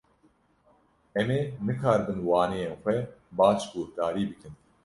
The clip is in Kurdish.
Em ê nikaribin waneyên xwe baş guhdarî bikin.